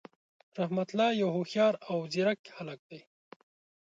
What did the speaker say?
رحمت الله یو هوښیار او ځیرک هللک دی.